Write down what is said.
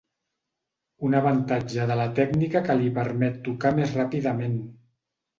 Un avantatge de la tècnica que li permet tocar més ràpidament.